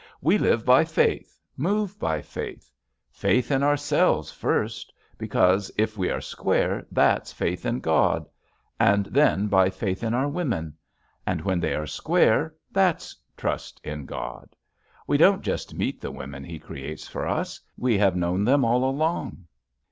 We live by faith, move by faith — faith in ourselves, first, because if we are square, that's faith in God; and then by faith in our women. And when they are square, that's trust in God. We don't just meet the women He creates for us; we have known them all along.